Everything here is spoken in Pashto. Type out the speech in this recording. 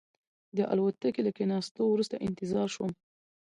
د الوتکې له کېناستو وروسته انتظار شوم.